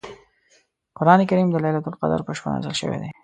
قران کریم د لیلة القدر په شپه نازل شوی دی .